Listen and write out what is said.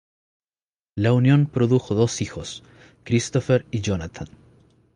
La unión produjo dos hijos, Christopher y Jonathan.